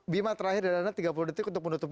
bima terakhir dari anda tiga puluh detik untuk menutup